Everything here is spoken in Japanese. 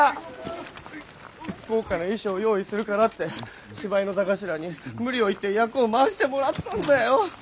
豪華な衣装用意するからって芝居の座頭に無理を言って役を回してもらったんだよ？